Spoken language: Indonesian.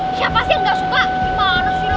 eh siapa sih yang ga suka gimana sih lo